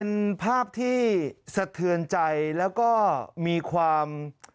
เป็นภาพที่สะเทือนใจแล้วก็มีความ